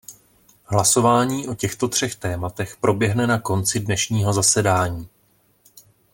Hlasování o těchto třech tématech proběhne na konci dnešního zasedání.